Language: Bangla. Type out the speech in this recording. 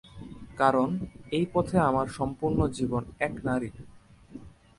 কারণ, এই পথে আমার সম্পূর্ণ জীবন এক নারীর।